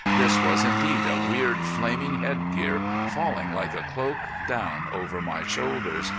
This was indeed a weird, flaming headgear, falling like a cloak down over the shoulders.